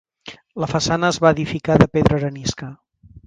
La façana es va edificar de pedra arenisca.